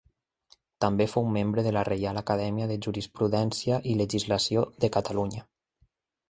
També fou membre de la Reial Acadèmia de Jurisprudència i Legislació de Catalunya.